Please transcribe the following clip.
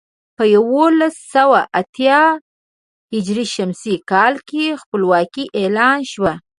په یولس سوه اتيا ه ش کال کې خپلواکي اعلان شوه.